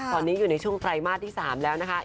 ตอนนี้อยู่ในช่วงไตรมาสที่๓แล้วนะคะ